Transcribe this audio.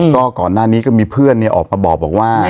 ก็ก่อนหน้านี้ก็มีเพื่อนออกมาบอกว่า